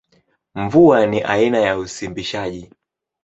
Mvua ni aina ya usimbishaji.